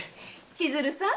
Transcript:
千鶴さん。